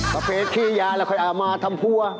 มาเฟสขี้ยาแล้วค่อยอามาทำพัว